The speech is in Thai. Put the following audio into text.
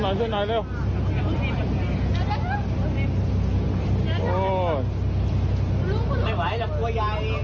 ไม่ไหวแต่กลัวใหญ่